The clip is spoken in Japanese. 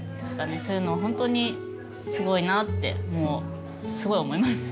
そういうのを本当にすごいなってもうすごい思います。